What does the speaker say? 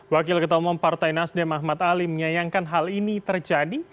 wakil ketua umum partai nasdem ahmad ali menyayangkan hal ini terjadi